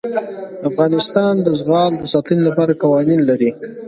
افغانستان د زغال د ساتنې لپاره قوانین لري.